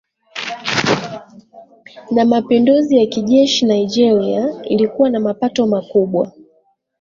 na mapinduzi ya kijeshi Nigeria ilikuwa na mapato makubwa